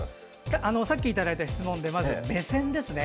さっきいただいた質問でまず、目線ですね。